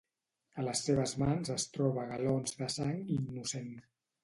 A les seves mans es troba galons de sang innocent.